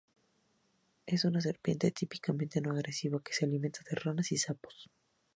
Es una serpiente típicamente no agresiva que se alimenta de ranas y sapos.